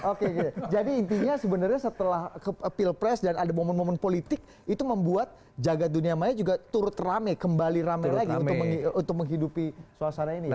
oke jadi intinya sebenarnya setelah pilpres dan ada momen momen politik itu membuat jagad dunia maya juga turut rame kembali rame lagi untuk menghidupi suasana ini ya